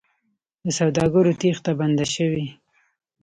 د سوداګرو تېښته بنده شوې؟